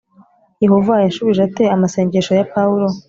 Yehova yashubije ate amasengesho ya Pawulo